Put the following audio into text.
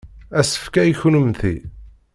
Asefk-a i kennemti.